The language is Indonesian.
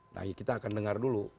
nah kita akan dengar dulu